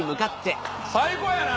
最高やな！